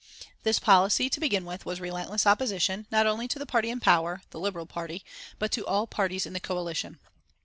This policy, to begin with, was relentless opposition, not only to the party in power, the Liberal Party, but to all parties in the coalition.